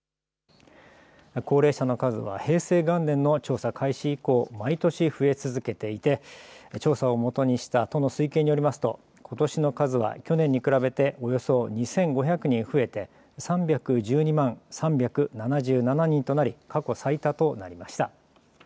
高齢者の数は平成元年の調査開始以降、毎年、増え続けていて調査をもとにした都の推計によりますとことしの数は去年に比べておよそ２５００人増えて３１２万３７７人となり過去最多となりました。